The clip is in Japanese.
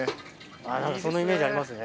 あっ何かそのイメージありますね。